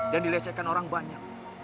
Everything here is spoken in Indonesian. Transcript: dan dilecehkan orang banyak